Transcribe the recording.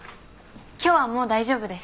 今日はもう大丈夫です。